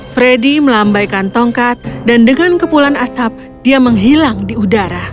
freddy melambaikan tongkat dan dengan kepulan asap dia menghilang di udara